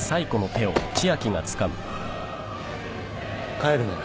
帰るなよ